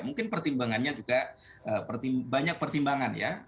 mungkin pertimbangannya juga banyak pertimbangan ya